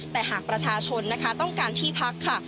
แต่หากประชาชนนะคะต้องการที่พักค่ะ